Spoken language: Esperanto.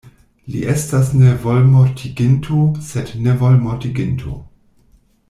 Li estas ne volmortiginto sed nevolmortiginto.